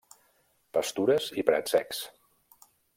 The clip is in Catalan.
Pastures i prats secs.